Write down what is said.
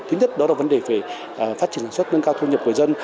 thứ nhất đó là vấn đề về phát triển sản xuất nâng cao thu nhập của dân